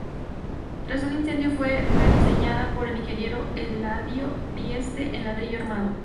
Tras un incendio fue rediseñada por el ingeniero Eladio Dieste en ladrillo armado.